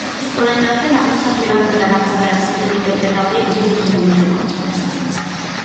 Orain arte laguntza pribatuetara jo behar zuten ikerketa horiek diruz hornitzeko.